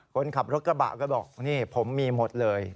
คนขับรถกระบะก็บอกนี่ผมมีหมดเลย